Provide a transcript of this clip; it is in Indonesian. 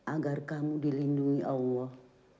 agar kamu dilindungi allah